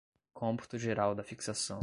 cômputo geral da fixação